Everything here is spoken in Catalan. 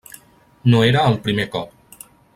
No era el primer cop.